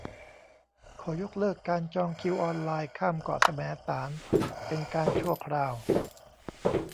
ขอยกเลิกการจองคิวออนไลน์ข้ามเกาะแสมสารเป็นการชั่วคราว